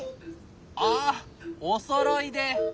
あっおそろいで！